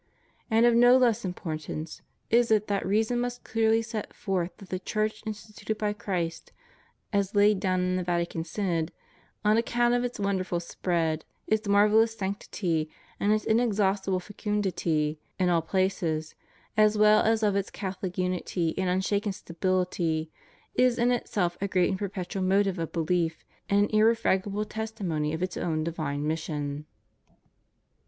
And of no less importance is it that reason most clearly sets forth that the Church instituted by Christ (as laid down in the Vatican Synod), on account of its wonderful spread, its marvellous sanc tity, and its inexhaustible fecundity in all places, as well as of its Catholic unity and unshaken stabiUty, is in itself a great and perpetual motive of belief and an irrefra gable testimony of its own divine maission.